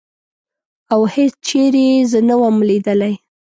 او هېڅ چېرې زه نه وم لیدلې.